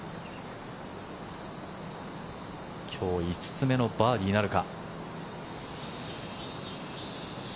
今日５つ目のバーディーなるか。